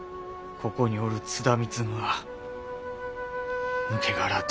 ここにおる津田貢は抜け殻同然。